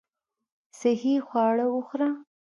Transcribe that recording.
صحي خواړه وخوره .